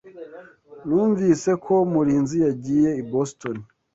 Numvise ko Murinzi yagiye i Boston.